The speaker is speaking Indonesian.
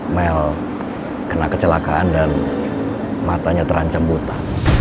mel kena kecelakaan dan matanya terancam buta